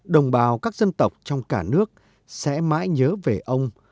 đồng bào các dân tộc trong cả nước sẽ mãi nhớ về ông